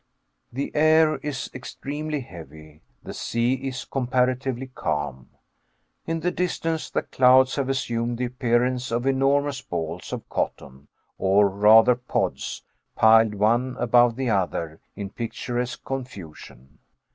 The air is extremely heavy; the sea is comparatively calm. In the distance, the clouds have assumed the appearance of enormous balls of cotton, or rather pods, piled one above the other in picturesque confusion.